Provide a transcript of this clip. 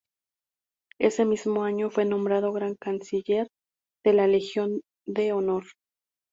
Ese mismo año fue nombrado gran canciller de la Legión de Honor.